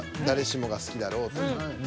誰しもが好きだろうと。